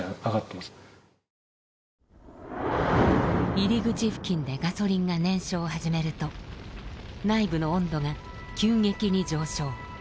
入り口付近でガソリンが燃焼を始めると内部の温度が急激に上昇。